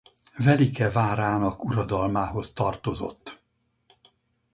Velike várának uradalmához tartozott.